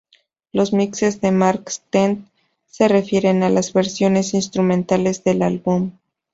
Los mixes de Mark Stent se refieren a las versiones instrumentales del álbum.